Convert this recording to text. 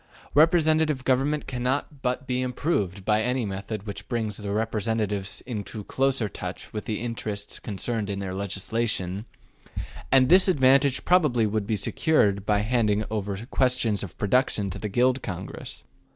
Representative government cannot but be improved by any method which brings the representatives into closer touch with the interests concerned in their legislation; and this advantage probably would be secured by handing over questions of production to the Guild Congress.